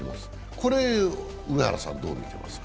これは上原さん、どう見てます？